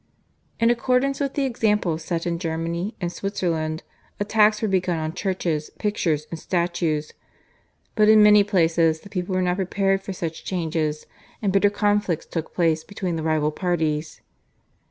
In accordance with the example set in Germany and Switzerland attacks were begun on churches, pictures, and statues, but in many places the people were not prepared for such changes, and bitter conflicts took place between the rival parties.